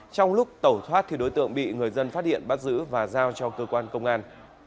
trong lúc tẩu thoát đối tượng bị người dân phát hiện bắt giữ và giao cho cơ quan công an